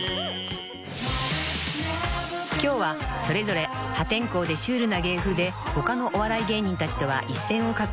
［今日はそれぞれ破天荒でシュールな芸風で他のお笑い芸人たちとは一線を画す３人が集まりました］